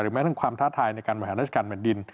หรือแม้ถึงความท้าทายในการมาหาราชการแบบดิน